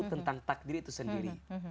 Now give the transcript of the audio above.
tentang takdir itu sendiri